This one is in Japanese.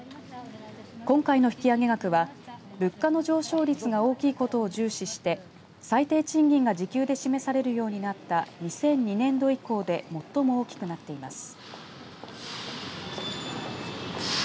今回の引き上げ額は物価の上昇率が大きいことを重視して最低賃金が時給で示されるようになった２００２年度以降で最も大きくなっています。